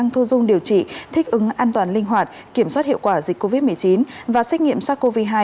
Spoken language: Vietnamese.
thu dung điều trị thích ứng an toàn linh hoạt kiểm soát hiệu quả dịch covid một mươi chín và xét nghiệm sars cov hai